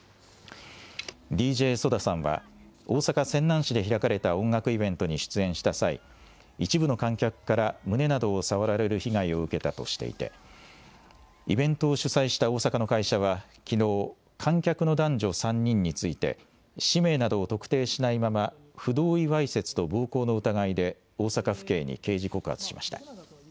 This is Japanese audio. ＤＪＳＯＤＡさんは、大阪・泉南市で開かれた音楽イベントに出演した際、一部の観客から胸などを触られる被害を受けたとしていて、イベントを主催した大阪の会社はきのう、観客の男女３人について、氏名などを特定しないまま、不同意わいせつと暴行の疑いで大阪府警に刑事告発しました。